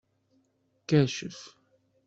Kacef.